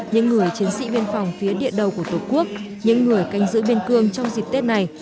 những người chiến sĩ biên phòng phía địa đầu của tổ quốc những người canh giữ biên cương trong dịp tết này